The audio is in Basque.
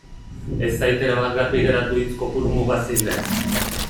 Ez zait erabat garbi geratu hitz kopuru muga zein den.